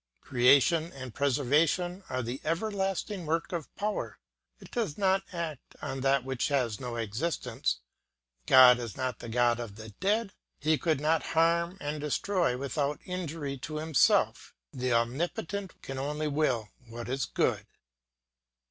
Creation and preservation are the everlasting work of power; it does not act on that which has no existence; God is not the God of the dead; he could not harm and destroy without injury to himself. The omnipotent can only will what is good.